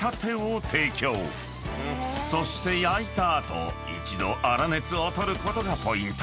［そして焼いた後一度粗熱を取ることがポイント］